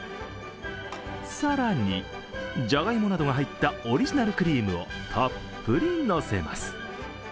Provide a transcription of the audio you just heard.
更に、じゃがいもなどが入ったオリジナルクリームをたっぷり乗せます。